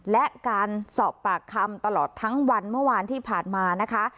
และการสอบปากคำตลอดทั้งวันเมื่อวานที่ผ่านมานะคะ